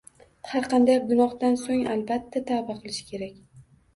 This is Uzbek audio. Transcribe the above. Har qanday gunohdan so‘ng albatta tavba qilish kerak.